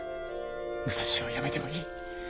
武蔵屋は辞めてもいい。